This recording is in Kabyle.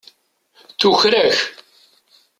Tuker-ak.